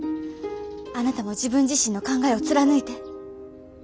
あなたも自分自身の考えを貫いて。